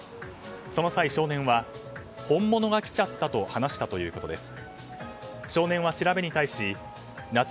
その際、少年は本物が来ちゃったと話したということです。